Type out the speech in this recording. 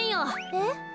えっ？